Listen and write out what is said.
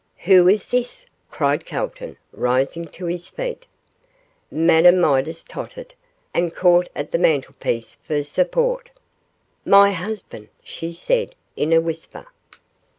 'Who is this?' cried Calton, rising to his feet. Madame Midas tottered, and caught at the mantelpiece for support. 'My husband,' she said, in a whisper.